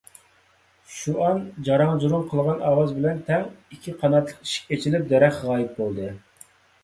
شۇئان جاراڭ - جۇراڭ قىلغان ئاۋاز بىلەن تەڭ ئىككى قاناتلىق ئىشىك ئېچىلىپ دەرەخ غايىب بولدى.